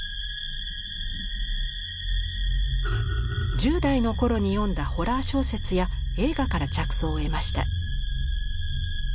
１０代の頃に読んだホラー小説や映画から着想を得ました。